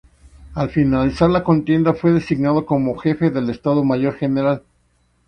Al finalizar la contienda fue designado como Jefe del Estado Mayor General.